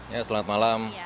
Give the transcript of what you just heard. ya selamat malam